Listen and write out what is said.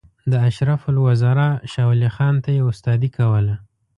د اشرف الوزرا شاولي خان ته یې استادي کوله.